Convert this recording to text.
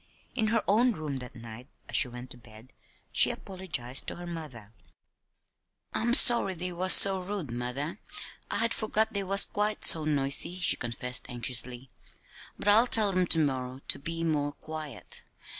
In her own room that night, as she went to bed, she apologized to her mother. "I'm sorry they was so rude, mother. I had forgot they was quite so noisy," she confessed anxiously. "But I'll tell 'em to morrow to be more quiet.